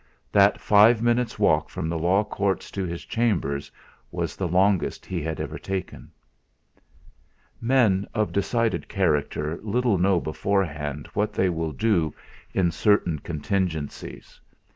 That five minutes' walk from the Law Courts to his chambers was the longest he had ever taken. Men of decided character little know beforehand what they will do in certain contingencies.